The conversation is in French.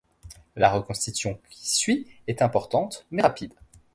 La reconstitution qui suit est importante, mais rapide.